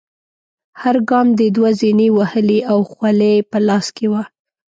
هر ګام دې دوه زینې وهلې او خولۍ په لاس کې وه.